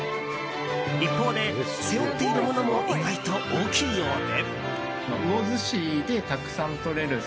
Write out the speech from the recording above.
一方で、背負っているものも意外と大きいようで。